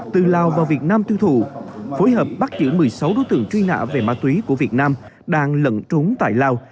từ lào vào việt nam thu thụ phối hợp bắt giữ một mươi sáu đối tượng truy nã về ma túy của việt nam đang lận trúng tại lào